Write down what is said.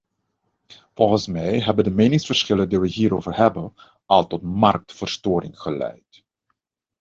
Volgens mij hebben de meningsverschillen die we hierover hebben, al tot marktverstoring geleid.